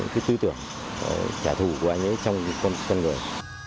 cái tư tưởng trả thù của anh ấy trong con người